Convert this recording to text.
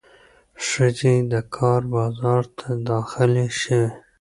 ښځې د کار بازار ته داخلې شوې.